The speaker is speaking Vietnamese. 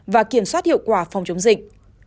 và kiểm soát hiệu quả phòng chống dịch